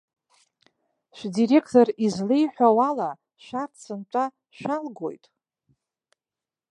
Шәдиректор излеиҳәауала, шәарҭ сынтәа шәалгоит?!